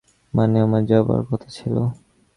মানে আমার যাবার কথা ছিল।